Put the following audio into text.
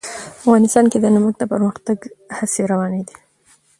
افغانستان کې د نمک د پرمختګ هڅې روانې دي.